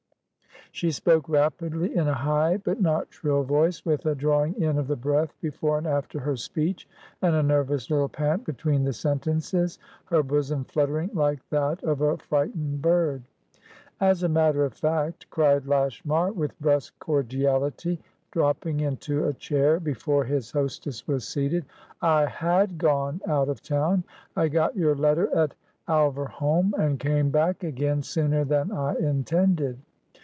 She spoke rapidly in a high, but not shrill, voice, with a drawing in of the breath before and after her speech, and a nervous little pant between the sentences, her bosom fluttering like that of a frightened bird. "As a matter of fact," cried Lashmar, with brusque cordiality, dropping into a chair before his hostess was seated, "I had gone out of town. I got your letter at Alverholme, and came back again sooner than I intended."